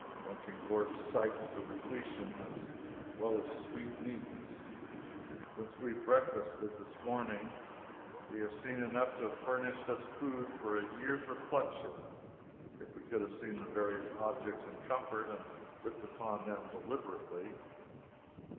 One can gorge sights to repletion as well as sweetmeats. Since we breakfasted, this morning, we have seen enough to have furnished us food for a year's reflection if we could have seen the various objects in comfort and looked upon them deliberately.